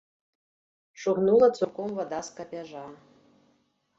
Шугнула цурком вада з капяжа.